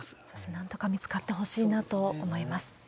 なんとか見つかってほしいなと思います。